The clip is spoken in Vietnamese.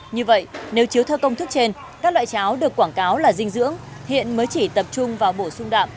như vậy nếu chiếu theo công thức trên các loại cháo được quảng cáo là dinh dưỡng